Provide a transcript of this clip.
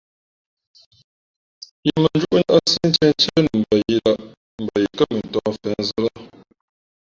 Yūʼmᾱnjíí ndάʼsí ntíéntíé nu mbα yǐ lᾱ mbα yi kά mʉntōh mα mfěnzᾱ lά.